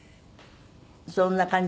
そんな感じ。